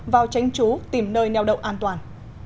vào tránh trú tìm nơi nèo động an toàn